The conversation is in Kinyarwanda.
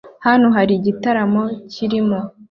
Hano hari igitaramo kirimo